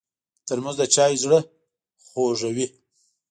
ترموز د چایو زړه خوږوي.